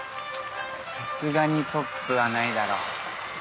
さすがにトップはないだろ。